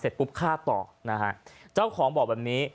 เสร็จปุ๊บข้าวต่อนะฮะเจ้าของบอกแบบนี้